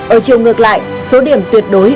ở chiều ngược lại số điểm tuyệt đối